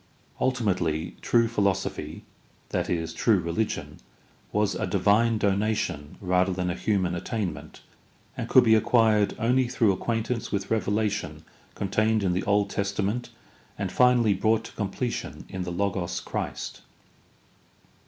Ultimately true philosophy, i.e., true religion, was a divine donation rather than a human attainment, and could be acquired only through acquaintance with revelation contained in the Old Testament and finally brought to completion in the Logos Christ.